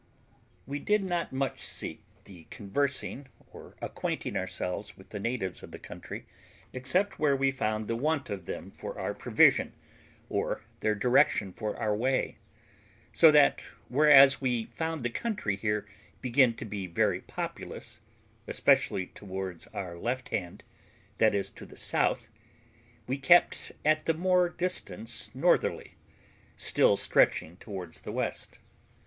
We did not much seek the conversing, or acquainting ourselves with the natives of the country, except where we found the want of them for our provision, or their direction for our way; so that, whereas we found the country here begin to be very populous, especially towards our left hand, that is, to the south, we kept at the more distance northerly, still stretching towards the west.